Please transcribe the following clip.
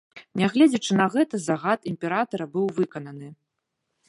Нягледзячы на гэта, загад імператара быў выкананы.